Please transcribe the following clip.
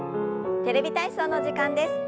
「テレビ体操」の時間です。